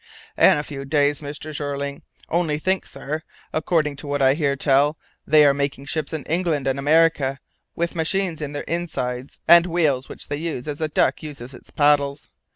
"In a few days, Mr. Jeorling. Only think, sir, according to what I hear tell, they are making ships in England and America with machines in their insides, and wheels which they use as a duck uses its paddles.